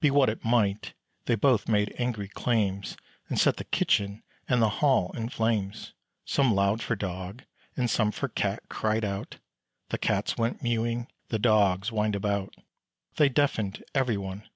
Be what it might, they both made angry claims, And set the kitchen and the hall in flames. Some loud for Dog and some for Cat cried out: The Cats went mewing, the Dogs whined about. They deafened every one.